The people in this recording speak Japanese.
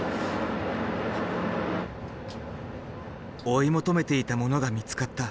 追い求めていたものが見つかった。